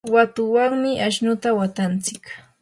watuwanmi ashnuta watantsik.